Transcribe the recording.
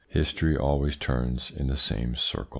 History always turns in the same circle.